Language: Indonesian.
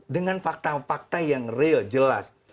dengan fakta fakta yang real jelas